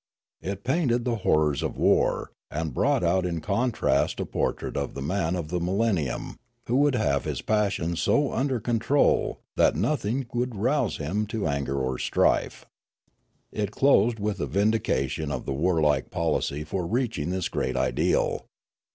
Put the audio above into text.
It painted the horrors of war, and brought out in contrast a por trait of the man of the millennium, who would have his passions so under control that nothing would rouse him to anger or strife. It closed with a vindication of the warlike policy for reaching this great ideal.